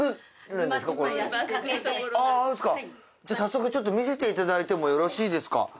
じゃ早速ちょっと見せていただいてもよろしいですか？